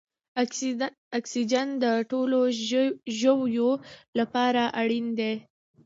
اکسیجن د ټولو ژویو لپاره اړین دی